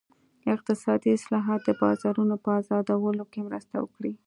اقتصادي اصلاحات د بازارونو په ازادولو کې مرسته وکړي.